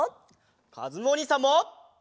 かずむおにいさんも！